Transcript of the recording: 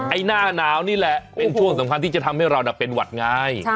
หน้าหนาวนี่แหละเป็นช่วงสำคัญที่จะทำให้เราเป็นหวัดงาย